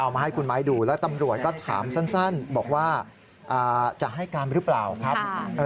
มาให้คุณไม้ดูแล้วตำรวจก็ถามสั้นบอกว่าจะให้การหรือเปล่าครับ